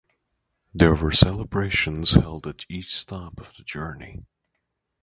There were celebrations held at each stop of the journey.